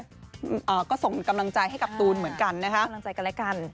ก็ส่งกำลังใจให้กับตูนเหมือนกันนะคะกำลังใจกันและกัน